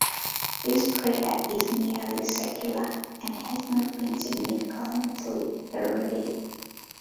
This crater is nearly circular, and has not been significantly eroded.